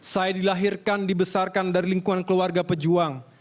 saya dilahirkan dibesarkan dari lingkungan keluarga pejuang